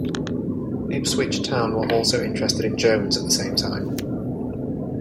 Ipswich Town were also interested in Jones at the same time.